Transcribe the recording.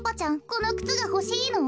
このくつがほしいの？